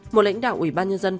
một lãnh đạo ủy ban nhân dân